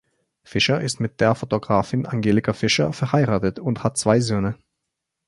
Fischer ist mit der Fotografin Angelika Fischer verheiratet und hat zwei Söhne.